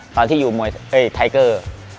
ตอนที่อยู่มวยไทเกอร์